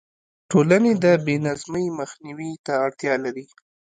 ټولنې د بې نظمۍ مخنیوي ته اړتیا لري.